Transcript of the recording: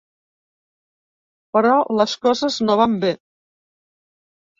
Però les coses no van bé.